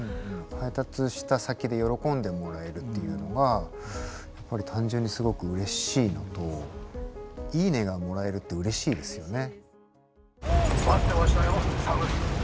配達した先で喜んでもらえるっていうのがやっぱり単純にすごくうれしいのと「いいね」がもらえるってうれしいですよね。